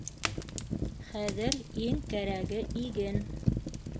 Хәҙер иң кәрәге — иген.